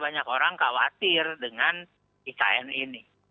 banyak orang khawatir dengan ikn ini